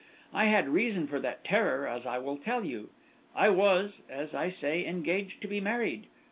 I had reason for that terror, as I will tell you. I was, as I say, engaged to be married.